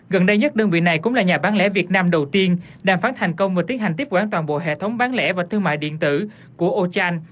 gần đây nhất đơn vị này cũng là nhà bán lẻ việt nam đầu tiên đàm phán thành công và tiến hành tiếp quản toàn bộ hệ thống bán lẻ và thương mại điện tử của ochan